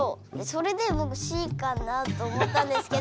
それでぼく「Ｃ」かなと思ったんですけど。